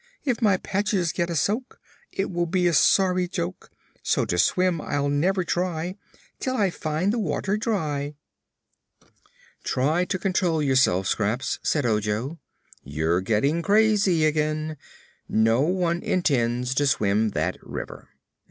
If my patches get a soak It will be a sorry joke; So to swim I'll never try Till I find the water dry." "Try to control yourself, Scraps," said Ojo; "you're getting crazy again. No one intends to swim that river."